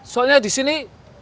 soalnya di sini